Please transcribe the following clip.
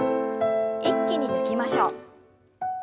一気に抜きましょう。